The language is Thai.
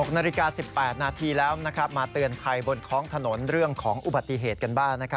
๖นาฬิกา๑๘นาทีแล้วมาเตือนภัยบนท้องถนนเรื่องของอุบัติเหตุกันบ้าง